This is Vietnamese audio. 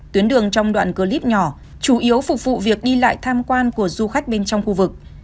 tuyến đường trong đoạn clip nhỏ chủ yếu phục vụ việc đi lại tham quan của du khách bên trong khu vực